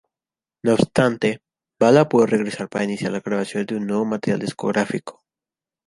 No obstante, Bala pudo regresar para iniciar las grabaciones de un nuevo material discográfico.